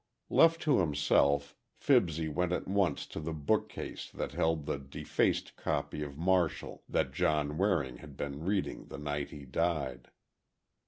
Left to himself, Fibsy went at once to the bookcase that held the defaced copy of Martial, that John Waring had been reading the night he died.